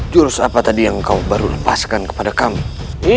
jurus apa tadi yang kau baru lepaskan kepada kami